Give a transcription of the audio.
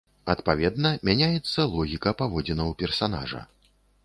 Адпаведна, мяняецца логіка паводзінаў персанажа.